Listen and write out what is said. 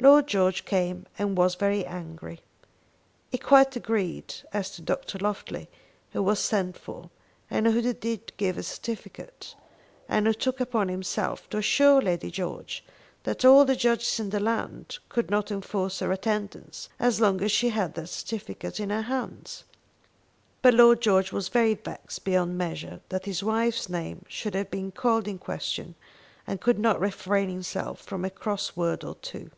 Lord George came and was very angry. He quite agreed as to Dr. Loftly, who was sent for, and who did give a certificate, and who took upon himself to assure Lady George that all the judges in the land could not enforce her attendance as long as she had that certificate in her hands. But Lord George was vexed beyond measure that his wife's name should have been called in question, and could not refrain himself from a cross word or two.